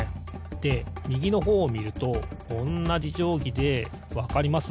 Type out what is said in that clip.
でみぎのほうをみるとおんなじじょうぎでわかります？